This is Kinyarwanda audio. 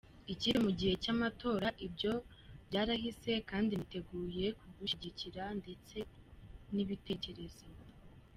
kipe mu gihe cyamatora, ibyo byarahise kandi niteguye kugushyigikira ndetse nibitekerezo.